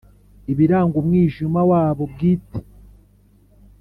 ibiranga umwijima wabo bwite